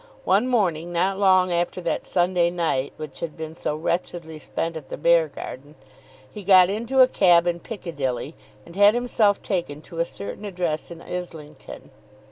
One morning, not long after that Sunday night which had been so wretchedly spent at the Beargarden, he got into a cab in Piccadilly and had himself taken to a certain address in Islington.